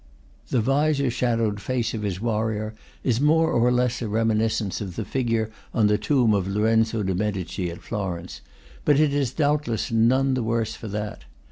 The visor shadowed face of his warrior is more or less a reminiscence of the figure on the tomb of Lorenzo de' Medici at Florence; but it is doubtless none the worse for that.